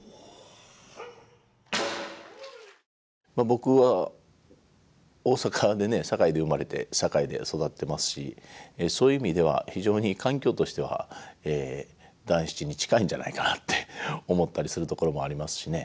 僕は大阪でね堺で生まれて堺で育ってますしそういう意味では非常に環境としては団七に近いんじゃないかなって思ったりするところもありますしね。